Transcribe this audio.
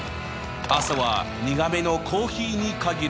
朝は苦めのコーヒーに限る。